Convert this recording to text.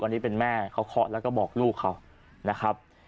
อันนี้เป็นแม่เขาเคาะแล้วก็บอกลูกเขานะครับ